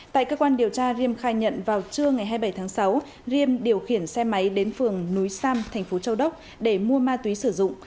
tại cơ quan điều tra riêm khai nhận vào trưa ngày hai mươi bảy tháng sáu riềm điều khiển xe máy đến phường núi sam thành phố châu đốc để mua ma túy sử dụng